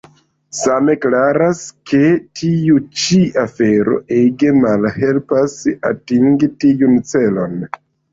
Same klaras, ke tiu ĉi afero ege malhelpas atingi tiun celon.